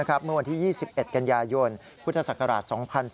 เมื่อวันที่๒๑กันยายนพุทธศักราช๒๔